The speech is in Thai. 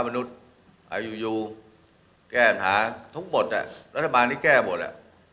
มนุษย์อายุยูแก้อันหาทุกหมดอ่ะรัฐบาลนี้แก้หมดอ่ะ